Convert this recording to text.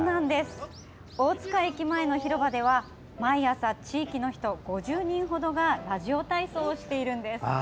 大塚駅前の広場では、毎朝地域の人、５０人ほどがラジオ体操をしているんです。